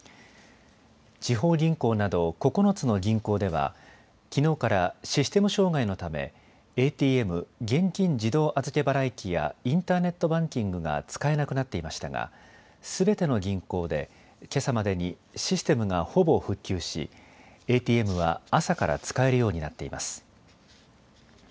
地方銀行など９つの銀行ではきのうからシステム障害のためＡＴＭ・現金自動預け払い機やインターネットバンキングが使えなくなっていましたがすべての銀行で、けさまでにシステムがほぼ復旧しＡＴＭは朝から使えるようになっています。